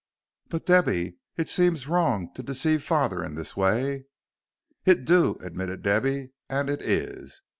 "But, Debby, it seems wrong to deceive father in this way." "It do," admitted Debby, "and it is.